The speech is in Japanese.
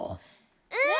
うん。